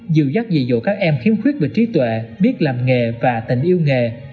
dự dắt dị dụ các em khiếm khuyết về trí tuệ biết làm nghề và tình yêu nghề